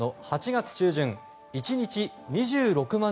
８月中旬１日２６万